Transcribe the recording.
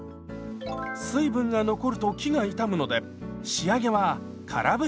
水分が残ると木が傷むので仕上げはから拭き綿タオルで。